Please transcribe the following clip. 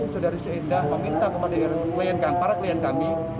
saudari suendah meminta kepada klien kami